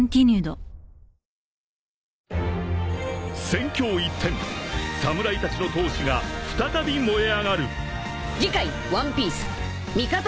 ［戦況一転侍たちの闘志が再び燃え上がる］